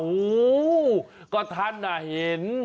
อ้าวก็ท่านอ่ะเห็น